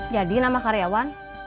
jadi nama karyawan